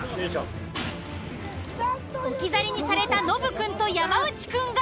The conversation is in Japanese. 置き去りにされたノブくんと山内くんが。